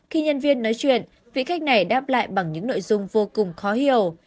khi nhân viên nói chuyện vị khách này đáp lại bằng những nội dung vô cùng khó hiểu